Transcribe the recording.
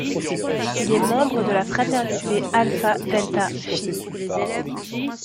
Il est membre de la fraternité Alpha Delta Phi.